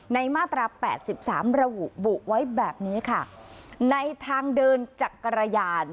มาตราแปดสิบสามระบุบุไว้แบบนี้ค่ะในทางเดินจักรยาน